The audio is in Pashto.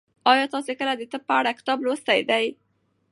ایا تاسي کله د طب په اړه کتاب لوستی دی؟